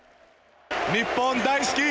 日本、大好き。